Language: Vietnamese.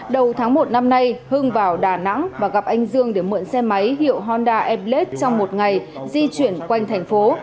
đầu tháng một năm nay hưng vào đà nẵng và gặp anh dương để mượn xe máy hiệu honda airblade trong một ngày di chuyển quanh thành phố